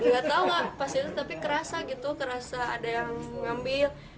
gak tau pas itu tapi kerasa gitu kerasa ada yang ngambil